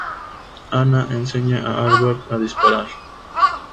Anna enseña a Albert a disparar.